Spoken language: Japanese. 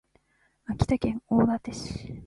秋田県大館市